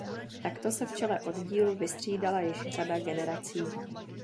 Takto se v čele oddílů vystřídala již řada generací.